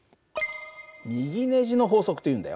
右ネジの法則というんだよ。